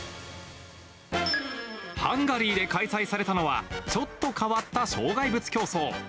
ハンガリーで開催されたのは、ちょっと変わった障害物競走。